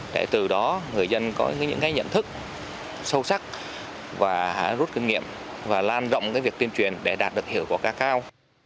để từ đó người dân có những cái nhận thức sâu sắc và rút kinh nghiệm và lan rộng việc tuyên truyền để đạt được hiểu của ca cao